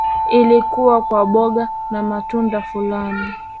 Ilikuwa kwa mboga na matunda fulani